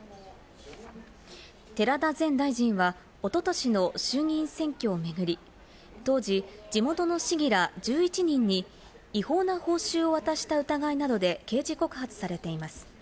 寺田前大臣はおととしの衆議院選挙を巡り、当時、地元の市議ら１１人に違法な報酬を渡した疑いなどで刑事告発されています。